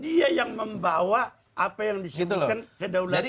dia yang membawa apa yang disebutkan kedaulatan